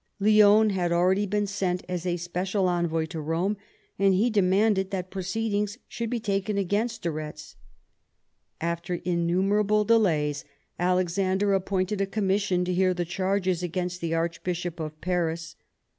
Lionne had already heen sent as a special envoy to Rome, and he demanded that pro ceedings should he taken against de Retz. After innum erable delays Alexander appointed a commission to hear the charges against the Archbishop of Paris.